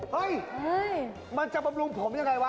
เฮ้ยมันจะบำรุงผมยังไงวะ